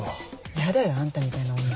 ヤダよあんたみたいな女。